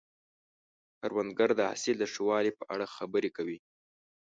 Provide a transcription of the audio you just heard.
کروندګر د حاصل د ښه والي په اړه خبرې کوي